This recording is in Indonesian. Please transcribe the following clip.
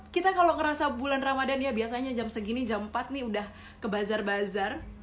kita kalau ngerasa bulan ramadhan ya biasanya jam segini jam empat nih udah kebazar bazar